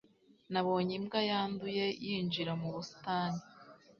nabonye imbwa yanduye yinjira mu busitani